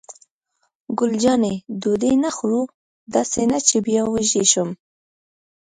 ګل جانې: ډوډۍ نه خورو؟ داسې نه چې بیا وږې شم.